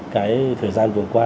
cái thời gian vừa qua